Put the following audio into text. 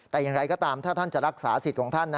แต่อย่างไรก็ตามถ้าท่านจะรักษาสิทธิ์ของท่าน